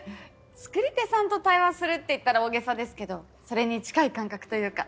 作り手さんと対話するって言ったら大げさですけどそれに近い感覚というか。